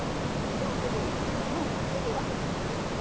では次ですけども次はジャン！